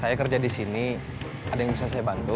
saya kerja di sini ada yang bisa saya bantu